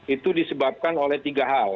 itu disebabkan oleh tiga hal